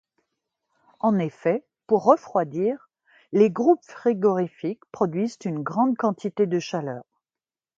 En effet, pour refroidir, les groupes frigorifiques produisent une grande quantité de chaleur.